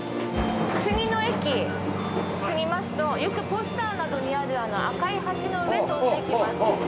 次の駅過ぎますとよくポスターなどにあるあの赤い橋の上通っていきます。